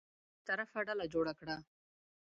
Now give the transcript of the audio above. بېطرفه ډله جوړه کړه.